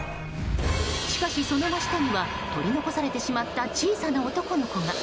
しかし、その真下には取り残されてしまった小さな男の子が。